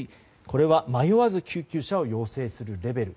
これは迷わず救急車を要請するレベル。